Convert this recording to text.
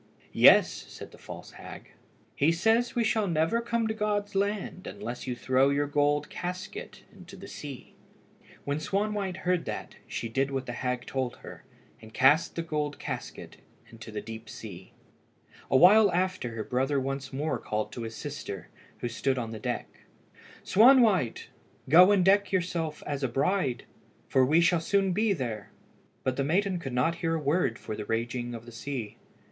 "Yes," said the false hag; "he says we shall never come to God's land unless you throw your gold casket into the sea." When Swanwhite heard that, she did what the hag told her, and cast the gold casket into the deep sea. A while after her brother once more called to his sister, who stood on the deck "Swanwhite, go and deck yourself as a bride, for we shall soon be there." But the maiden could not hear a word for the raging of the sea.